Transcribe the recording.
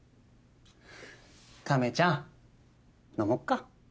亀ちゃん飲もっか。